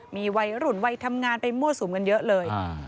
มีวัยรุ่นวัยทำงานไปมั่วสุมกันเยอะเลย